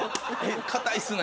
硬いですね。